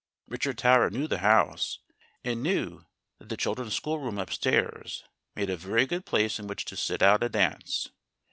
Richard Tower knew the house, and knew that the children's schoolroom upstairs made a very good place in which to sit out a dance.